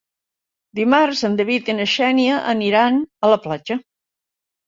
Dimarts en David i na Xènia aniran a la platja.